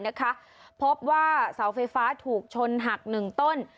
นะคะพบว่าเสาไฟฟ้าถูกชนหักหนึ่งต้น